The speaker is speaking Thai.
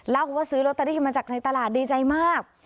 แล้วก็คือซื้อลตรีมาจากในตลาดดีใจมาก